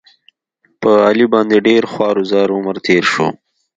په علي باندې ډېر خوار او زار عمر تېر شو.